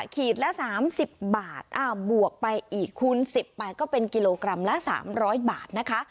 ขีดละสามสิบบาทบวกไปอีกคูณสิบไปก็เป็นกิโลกรัมละสามร้อยบาทนะคะ